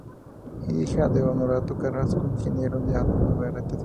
Hija de Honorato Carrasco, ingeniero; y Ada Navarrete, soprano.